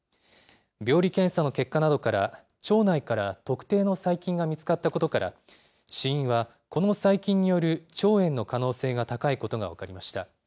病理検査の結果などから、腸内から特定の細菌が見つかったことから、死因はこの細菌による腸炎の可能性が高いことが分かりました。